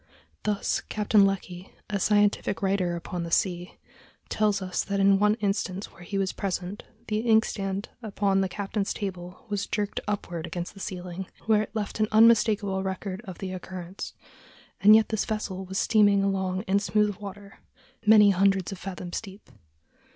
Thus, Captain Lecky, a scientific writer upon the sea, tells us that in one instance where he was present, the inkstand upon the captain's table was jerked upward against the ceiling, where it left an unmistakable record of the occurrence; and yet this vessel was steaming along in smooth water, many hundreds of fathoms deep.